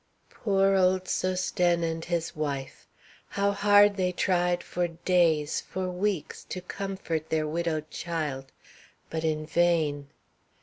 Poor old Sosthène and his wife! How hard they tried, for days, for weeks, to comfort their widowed child! But in vain.